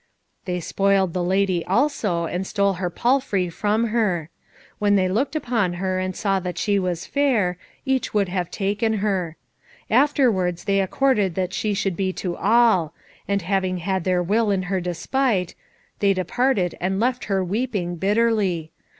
They spoiled the lady also and stole her palfrey from her. When they looked upon her, and saw that she was fair, each would have taken her. Afterwards they accorded that she should be to all, and having had their will in her despite, they departed and left her weeping bitterly.